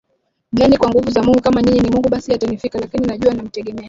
gani kwa nguvu za Mungu Kama nyinyi ni Mungu basi yatanifika Lakini najua namtegemea